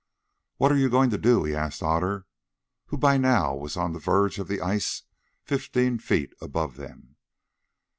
"What are you going to do?" he asked of Otter, who by now was on the verge of the ice fifteen feet above them.